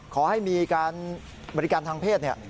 ขอให้มีบริการทางเพศ